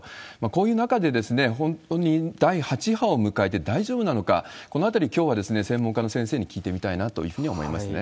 こういう中で、本当に第８波を迎えて大丈夫なのか、このあたり、きょうは専門家の先生に聞いてみたいなというふうに思いますね。